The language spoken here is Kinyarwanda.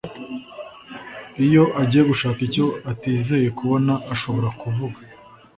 iyo agiye gushaka icyo atizeye kubona ashobora kuvuga